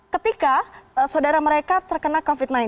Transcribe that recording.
ketika saudara mereka terkena covid sembilan belas